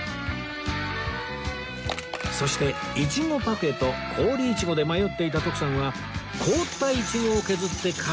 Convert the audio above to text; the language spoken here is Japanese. そしていちごパフェと氷いちごで迷っていた徳さんは凍ったいちごを削ってかき氷のように頂く